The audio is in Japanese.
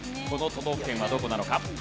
この都道府県はどこなのか？